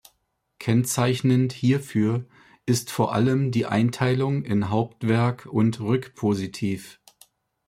Kennzeichnend hierfür ist vor allem die Einteilung in Hauptwerk und Rückpositiv.